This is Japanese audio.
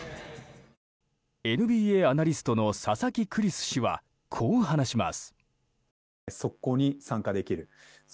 ＮＢＡアナリストの佐々木クリス氏はこう話します。